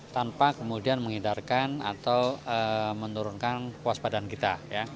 tanpa kemudian menghindarkan atau menurunkan kewaspadaan kita